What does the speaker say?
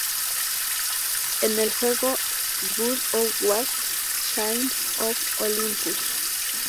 En el juego "God Of War Chains of Olympus".